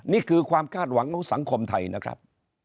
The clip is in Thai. นี่คือความคาดหวังของสังคมไทยนะครับ